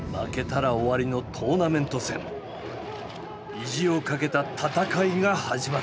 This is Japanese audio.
意地をかけた戦いが始まる。